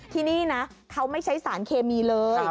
ที่นี่นะเขาไม่ใช้สารเคมีเลย